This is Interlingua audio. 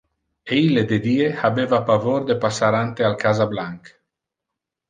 E ille de die habeva pavor de passar ante al casa blanc.